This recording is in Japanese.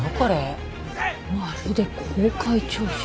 まるで公開聴取。